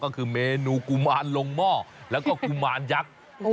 ก็คือเมนูกุมารลงหม้อแล้วก็กุมารยักษ์